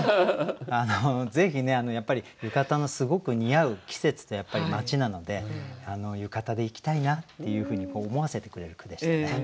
ぜひねやっぱり浴衣のすごく似合う季節とやっぱり街なので浴衣で行きたいなっていうふうに思わせてくれる句でしたね。